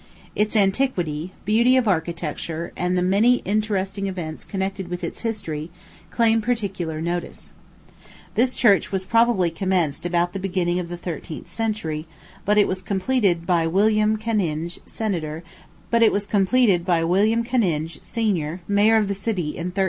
Its antiquity, beauty of architecture, and the many interesting events connected with its history, claim particular notice. This church was probably commenced about the beginning of the thirteenth century; but it was completed by William Cannynge, Sen., mayor of the city, in 1396.